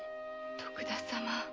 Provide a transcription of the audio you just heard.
徳田様。